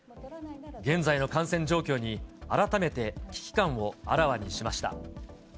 現在の感染状況に改めて危機感をあらわにしました。